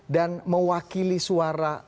dan mewakili suara